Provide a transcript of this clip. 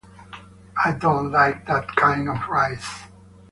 I don't like that kind of rice!